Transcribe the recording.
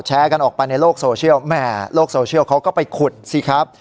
แชร์กันออกไปในโลกโซเชียลแหม่โลกโซเชียลเขาก็ไปขุดสิครับ